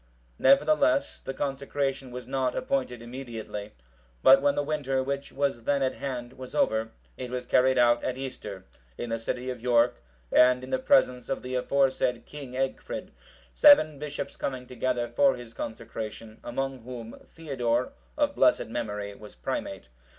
Nevertheless, the consecration was not appointed immediately; but when the winter, which was then at hand, was over, it was carried out at Easter,(753) in the city of York, and in the presence of the aforesaid King Egfrid; seven bishops coming together for his consecration, among whom, Theodore, of blessed memory, was Primate.